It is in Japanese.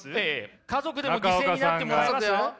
家族でも犠牲になってもらいますよ。